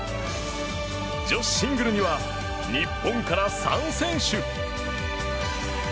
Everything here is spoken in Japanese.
女子シングルには日本から３選手。